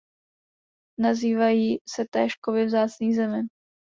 Nazývají se též kovy vzácných zemin.